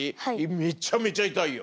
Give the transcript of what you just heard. めちゃめちゃ痛いよ。